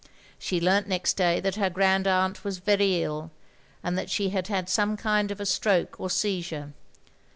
She learnt next day that her grand aunt was very ill, and that she had had some kind of a stroke or seizure.